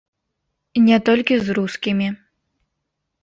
Не толькі з рускімі.